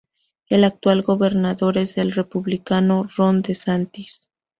El actual gobernador es el republicano Ron DeSantis.